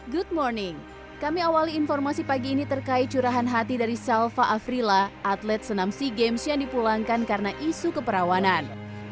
good morning kami awali informasi pagi ini terkait curahan hati dari salva afrila atlet senam sea games yang dipulangkan karena isu keperawanan